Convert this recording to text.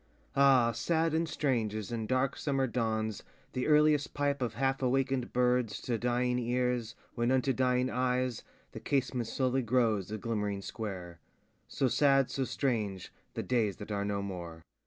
Ah, sad and strange as in dark summer dawns The earliest pipe of half awakenŌĆÖd birds To dying ears, when unto dying eyes The casement slowly grows a glimmering square; So sad, so strange, the days that are no more.